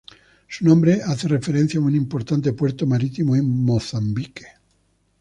Su nombre hace referencia a un importante puerto marítimo en Mozambique.